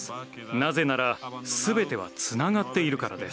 なぜならすべてはつながっているからです。